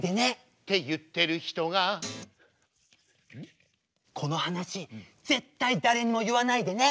って言ってる人がこの話絶対誰にも言わないでね。